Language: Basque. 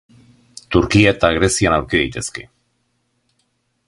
Turkia eta Grezian aurki daitezke.